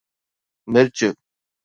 مرچ